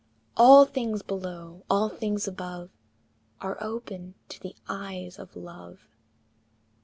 All things below, all things above, Are open to the eyes of Love.